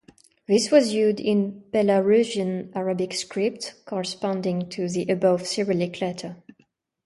This was used in Belarusian Arabic script, corresponding to the above Cyrillic letter.